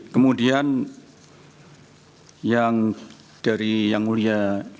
kemudian yang dari yang mulia